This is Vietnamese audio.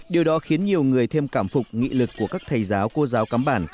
điều đó khiến nhiều người thêm cảm phục nghị lực của các thầy giáo cô giáo cắm bản